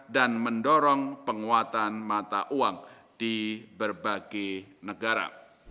dan mendorong penguatan mata uang di berbagai negara